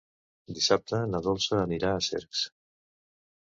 Dissabte na Dolça anirà a Cercs.